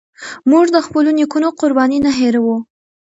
موږ د خپلو نيکونو قربانۍ نه هيروو.